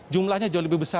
jumlahnya jauh lebih banyak